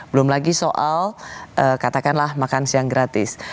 belum lagi soal katakanlah makan siang gratis